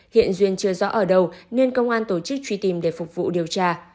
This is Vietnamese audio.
hiện duyên chưa rõ ở đâu nên công an tổ chức truy tìm để phục vụ điều tra